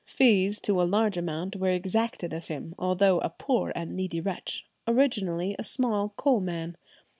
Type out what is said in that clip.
Fees to a large amount were exacted of him, although a poor and needy wretch, "originally a small coal man."